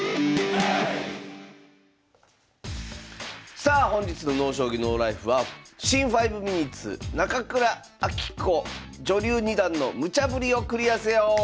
さあ本日の「ＮＯ将棋ＮＯＬＩＦＥ」は「新・５ｍｉｎｕｔｅｓ中倉彰子女流二段のムチャぶりをクリアせよ」！